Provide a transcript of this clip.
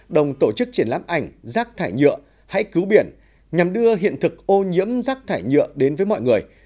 đồng tổ chức triển lãm ảnh rác thải nhựa hãy cứu biển nhằm đưa hiện thực ô nhiễm rác thải nhựa đến với mọi người